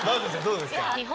どうですか？